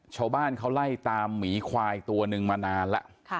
ชาวบ้านเขาไล่ตามหมีควายตัวนึงมานานแล้ว